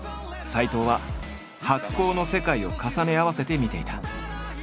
斎藤は発酵の世界を重ね合わせて見ていた。